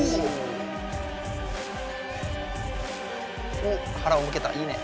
おっはらをむけたいいね。